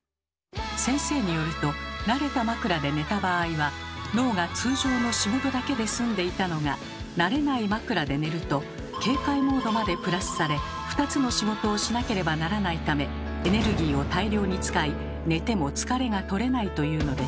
先生によると慣れた枕で寝た場合は脳が通常の仕事だけで済んでいたのが慣れない枕で寝ると警戒モードまでプラスされ２つの仕事をしなければならないためエネルギーを大量に使い寝ても疲れが取れないというのです。